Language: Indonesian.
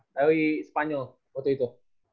dari spanyol waktu itu